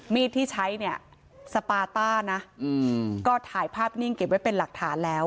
มีดที่ใช้เนี่ยสปาต้านะก็ถ่ายภาพนิ่งเก็บไว้เป็นหลักฐานแล้ว